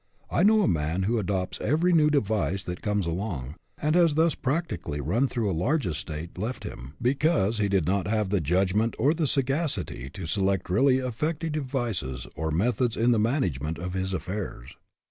I know a man who adopts every new device that comes along, and has thus practically run through a large estate left him, because he did not have the judgment or the sagacity to select really effective devices or methods in the manage ment of his affairs.